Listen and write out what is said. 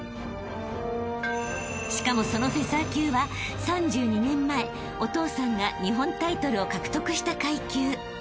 ［しかもそのフェザー級は３２年前お父さんが日本タイトルを獲得した階級］